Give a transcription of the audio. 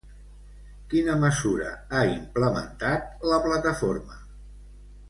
Quina mesura ha implementat la Plataforma?